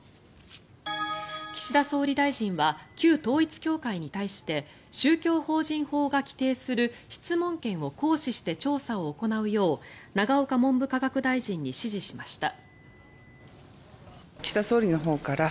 岸田総理大臣は旧統一教会に対して宗教法人法が規定する質問権を行使して調査を行うよう永岡文部科学大臣に指示しました。